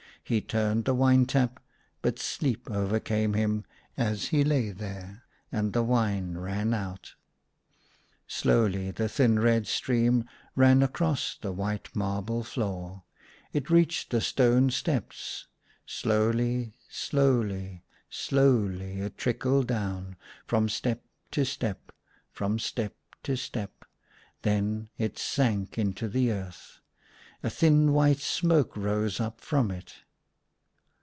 He turned the wine tap, but sleep overcame him as he lay there, and the wine ran out. Slowly the thin, red stream ran across the white marbled floor ; it reached the stone steps ; slowly, slowly, slowly it trickled down, from step to step, from step to step : then it sank into the earth. A thin white smoke rose up from it.